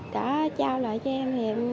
đã trao lại cho em